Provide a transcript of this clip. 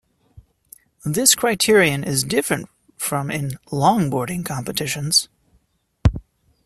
This criterion is different from in longboarding competitions.